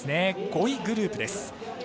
５位グループです。